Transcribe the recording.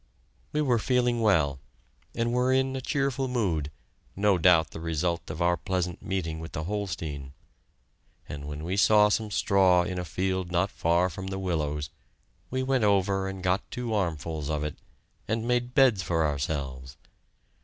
We were feeling well, and were in a cheerful mood, no doubt the result of our pleasant meeting with the Holstein, and when we saw some straw in a field not far from the willows, we went over and got two armfuls of it, and made beds for ourselves.